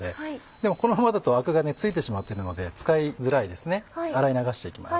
でもこのままだとアクが付いてしまってるので使いづらいですね洗い流していきます。